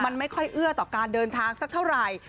มันไม่ค่อยเอื้อต่อการเดินทางสักเท่าไหร่